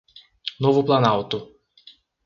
Novo Planalto